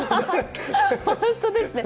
本当ですね。